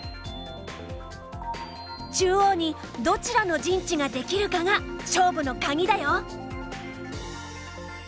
中央にどちらの陣地ができるかが勝負の鍵だよ。